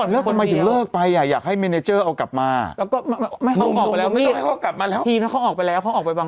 เลือกก่อนมาทีเลยยังไม่ได้หลับไปก่อนเหลือแถมผมอยากให้เมเนเจอร์เอากลับมา